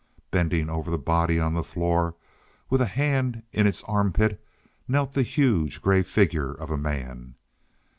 Bending over the body on the floor with a hand at its armpit, knelt the huge, gray figure of a man.